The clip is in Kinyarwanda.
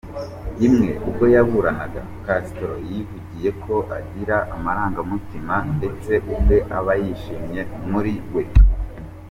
Rimwe ubwo yaburanaga, Castro yivugiye ko agira amarangamutima ndetse ubwe aba yishimye muri we.